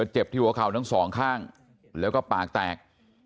เจ็บที่หัวเข่าทั้งสองข้างแล้วก็ปากแตก